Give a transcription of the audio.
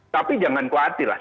tapi jangan khawatir lah